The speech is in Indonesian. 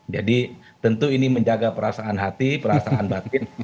jadi tentu ini menjaga perasaan hati perasaan batin